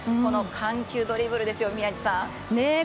緩急ドリブルですよ、宮司さん。